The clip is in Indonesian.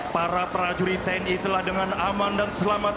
para prajurit tni telah dengan aman dan selamat